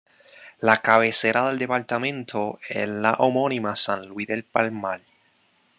La cabecera del departamento es la homónima San Luis del Palmar.